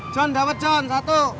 john daun john satu